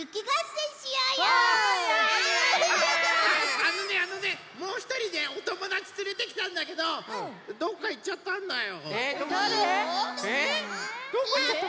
あのねあのねもうひとりねおともだちつれてきたんだけどどっかいっちゃったんだよ。だれ？